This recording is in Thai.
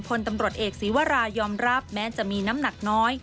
พลตำรวจเอกศีวรายอมรับแม้จะมีน้ำหนักน้อย